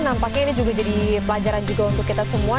nampaknya ini juga jadi pelajaran juga untuk kita semua